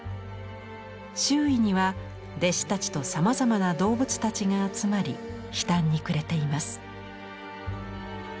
周囲には弟子たちとさまざまな動物たちが集まり悲嘆にくれています。